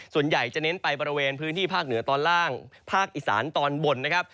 ส่วนใหญ่จะเน้นไปบริเวณพื้นที่ภาคเหนือตอนล่างภาคอีสานตอนบนนะครับ